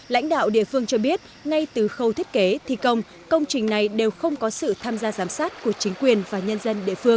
lãnh đạo địa phương cho biết ngay từ khâu thiết kế thi công công trình này đều không có sự tham gia giám sát của chính quyền và nhân dân địa phương